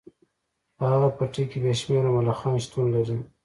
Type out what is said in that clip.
په هغه پټي کې بې شمیره ملخان شتون لري